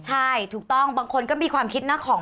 ใช่ถูกต้องบางคนก็มีความคิดนะของ